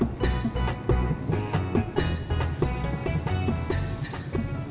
nggak tahu bang